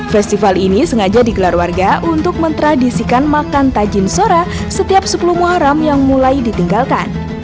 festival ini sengaja digelar warga untuk mentradisikan makan tajin sora setiap sepuluh muharam yang mulai ditinggalkan